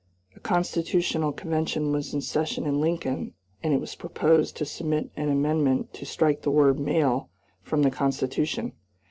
A constitutional convention was in session in Lincoln, and it was proposed to submit an amendment to strike the word "male" from the Constitution.